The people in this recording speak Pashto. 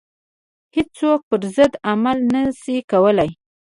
هیڅوک پر ضد عمل نه شي کولای.